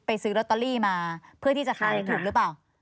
ไปซื้อล็อตเตอรี่มาเพื่อที่จะขายถูกหรือเปล่า